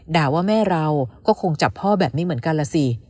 ด่าว่าแม่เราก็คงจับพ่อแบบนี้เหมือนกันล่ะสิ